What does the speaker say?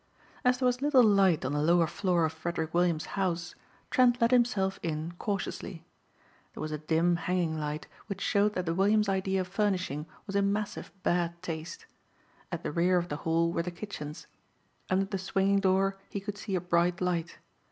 As there was little light on the lower floor of Frederick Williams' house, Trent let himself in cautiously. There was a dim hanging light which showed that the Williams idea of furnishing was in massive bad taste. At the rear of the hall were the kitchens. Under the swinging door he could see a bright light.